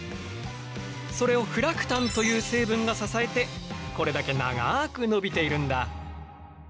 それをフラクタンという成分が支えてこれだけ長く伸びているんだ！